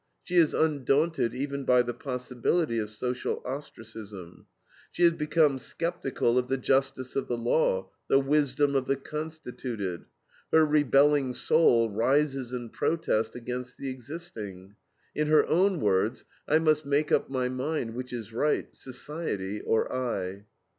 She is undaunted even by the possibility of social ostracism. She has become sceptical of the justice of the law, the wisdom of the constituted. Her rebelling soul rises in protest against the existing. In her own words: "I must make up my mind which is right, society or I."